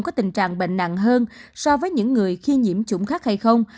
có tình trạng bệnh nặng hơn so với những người khi nhiễm chủng khác hay không